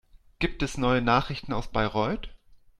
Gibt es neue Nachrichten aus Bayreuth?